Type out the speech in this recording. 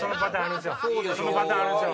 そのパターンあるんすよ。